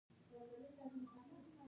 او همدا هېوادونه د افغانستان د خلکو